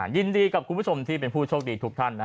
ยินดีกับคุณผู้ชมที่เป็นผู้โชคดีทุกท่าน